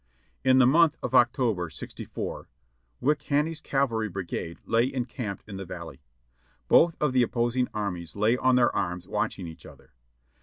In the month of October, '64, Wickham's cavalry brigade lay encamped in the Valley. Both of the opposing armies lay on their arms watching each other.